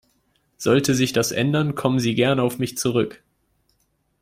Sollte sich das ändern, kommen Sie gerne auf mich zurück!